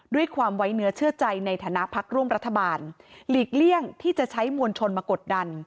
ด้วยความไว้เนื้อเชื่อใจในฐานะพักร่วมรัฐบาลหลีกเลี่ยงที่จะใช้มวลชนมากดดัน